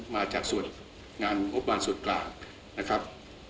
มาจากส่วนงานงบประมาณส่วนกลางนะครับ